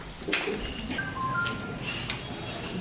saya yakin saya tidak mampu